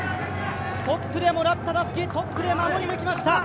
トップでもらったたすき、トップで守り抜きました。